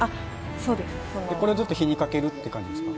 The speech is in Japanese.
そのこれをずっと火にかけるって感じですか？